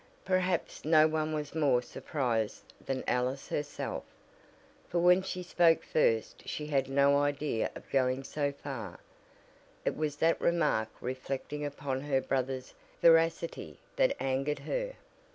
Perhaps no one was more surprised than Alice herself, for when she spoke first she had no idea of going so far, it was that remark reflecting upon her brother's veracity that angered her.